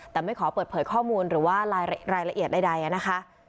แต่ไม่ขอเปิดเผยข้อมูลหรือว่ารายละเอียดใดนะคะ